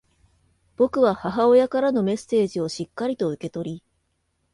僕は母親からのメッセージをしっかりと受け取り、